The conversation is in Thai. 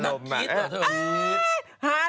นักคิดเหรอหัวท่านอุ๊ย